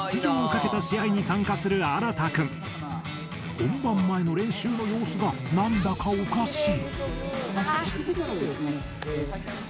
本番前の練習の様子が何だかおかしい。